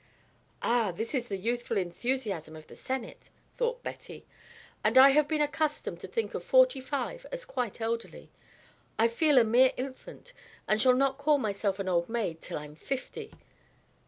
"Ah, this is the youthful enthusiasm of the Senate," thought Betty. "And I have been accustomed to think of forty five as quite elderly. I feel a mere infant and shall not call myself an old maid till I'm fifty."